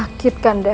yang ini awalnya